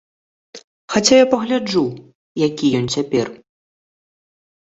Хаця я пагляджу, які ён цяпер.